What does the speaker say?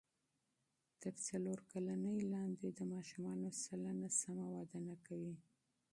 تر څلور کلنۍ لاندې د ماشومانو سلنه سمه وده نه کوي.